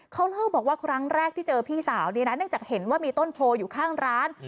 เขาเล่าบอกว่าครั้งแรกที่เจอพี่สาวนี่นะเนื่องจากเห็นว่ามีต้นโพอยู่ข้างร้าน